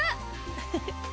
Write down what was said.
フフフ。